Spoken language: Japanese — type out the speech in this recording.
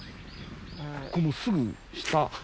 このすぐ下。